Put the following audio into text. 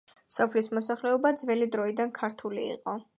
სოფლის მოსახლეობა ძველი დროიდან ქართული იყო.